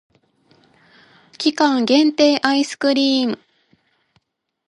期間限定アイスクリーム